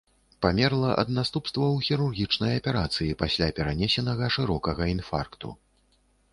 Памерла ад наступстваў хірургічнай аперацыі пасля перанесенага шырокага інфаркту.